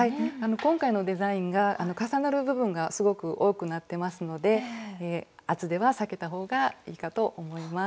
今回のデザインが重なる部分がすごく多くなってますので厚手は避けた方がいいかと思います。